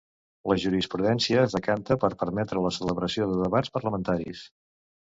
La jurisprudència es decanta per permetre la celebració de debats parlamentaris.